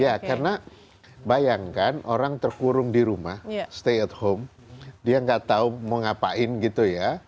ya karena bayangkan orang terkurung di rumah stay at home dia nggak tahu mau ngapain gitu ya